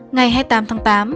ngày hai mươi tám tháng tám